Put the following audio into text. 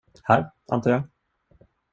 Här, antar jag.